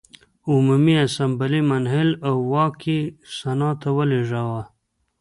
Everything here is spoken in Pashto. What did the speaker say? عمومي اسامبله منحل او واک یې سنا ته ولېږداوه.